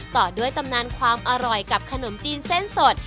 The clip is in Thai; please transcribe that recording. ต่อด้วยตำนานความอร่อยกับขนมจีนเส้นสด